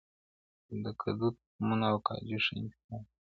د کدو تخمونه او کاجو ښه انتخاب دی.